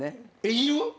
いる？